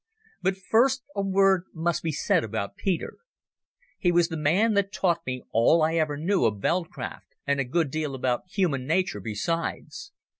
But first a word must be said about Peter. He was the man that taught me all I ever knew of veld craft, and a good deal about human nature besides.